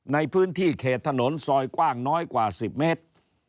ในพื้นที่เขตถนนซอยกว้างน้อยกว่า๑๐เมตร